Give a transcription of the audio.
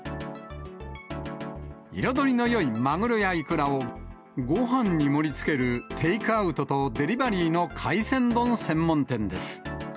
彩りのよいマグロやイクラを、ごはんに盛りつける、テイクアウトとデリバリーの海鮮丼専門店です。